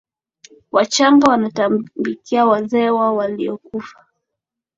wachaga wanawatambikia wazee wao waliyokufa